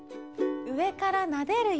うえからなでるように。